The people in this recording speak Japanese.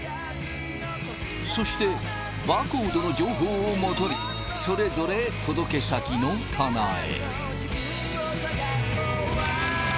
そしてバーコードの情報をもとにそれぞれ届け先の棚へ。